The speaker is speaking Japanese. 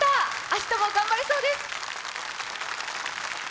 明日も頑張れそうです！